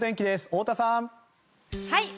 太田さん。